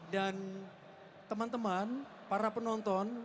dan teman teman para penonton